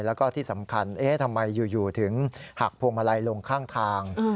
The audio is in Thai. แล้วก็ที่สำคัญทำไมอยู่ถึงหักพวงมาลัยลงข้างทาง